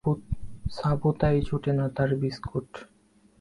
সাবু তাই জোটে না, তার বিস্কুট।